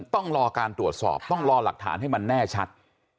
ต้องรอการตรวจสอบต้องรอหลักฐานให้มันแน่ชัด